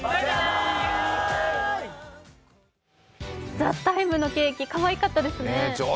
「ＴＨＥＴＩＭＥ，」のケーキ、かわいかったですね。